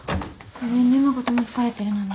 ごめんね誠も疲れてるのに。